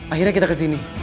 akhirnya kita kesini